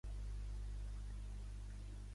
Ja sabem que l’estat no ha deixat fer un referèndum.